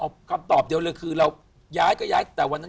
เอาคำตอบเดียวเลยคือเราย้ายก็ย้ายแต่วันนั้น